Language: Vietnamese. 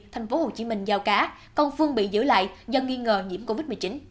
thành phố hồ chí minh giao cá còn phương bị giữ lại do nghi ngờ nhiễm covid một mươi chín